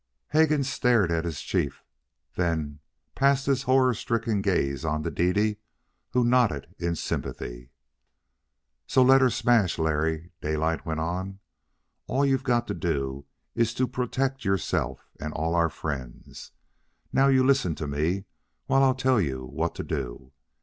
Hegan stared at his chief, then passed his horror stricken gaze on to Dede, who nodded in sympathy. "So let her smash, Larry," Daylight went on. "All you've got to do is to protect yourself and all our friends. Now you listen to me while I tell you what to do.